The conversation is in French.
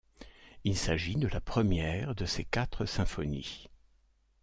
Il s'agit de la première de ses quatre symphonies.